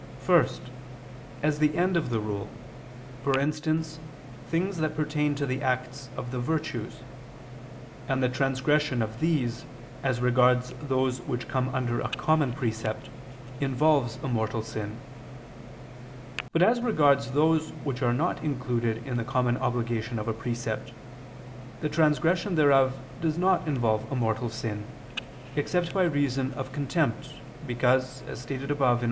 First, as the end of the rule, for instance things that pertain to the acts of the virtues; and the transgression of these, as regards those which come under a common precept, involves a mortal sin; but as regards those which are not included in the common obligation of a precept, the transgression thereof does not involve a mortal sin, except by reason of contempt, because, as stated above (A.